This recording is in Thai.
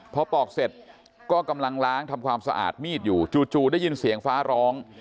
พอปอกเสร็จก็กำลังล้างทำความสะอาดมีดอยู่จู่ได้ยินเสียงฟ้าร้อง